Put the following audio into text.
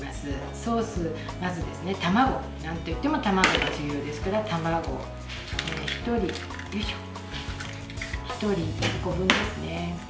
ソース、まず卵なんといっても卵が重要ですから卵、１人１個分ですね。